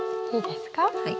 はい。